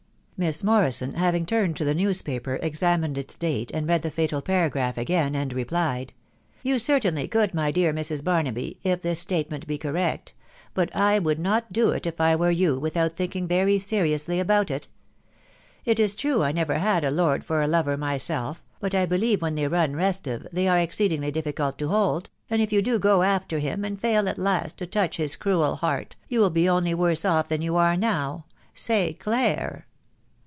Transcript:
" Miss Morrison, having turned to the newspaper, examined its date, and read the fatal paragraph again, replied, " You certainly could, my dear Mrs. Barnaby, if this statement be correct ; but I would not do it, if I were you, without think ing very seriously about it .... It is true I never had a lord for a lover myself, but I believe when they run restive, they are exceedingly difficult to hold ; and if you do go after him, and fail at last to touch his cruel heart, you will be only worse off than you are now .... Say dare."